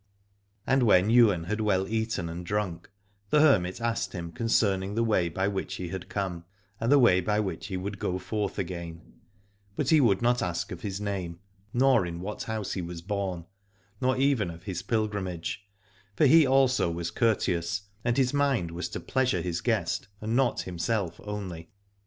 And when Ywain had well eaten and drunk the hermit asked him concerning the way by which he had come, and the way by which he would go forth again : but he would not ask of his name, nor in what house he was born, nor even of his pilgrim age, for he also was courteous, and his mind was to pleasure his guest and not himself only.